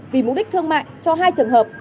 vì mục đích thương mại cho hai trường hợp